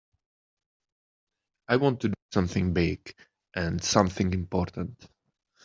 I want to do something big and something important.